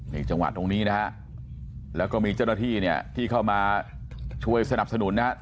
นี่จังหวะตรงนี้นะฮะแล้วก็มีเจ้าหน้าที่เนี่ยที่เข้ามาช่วยสนับสนุนนะครับ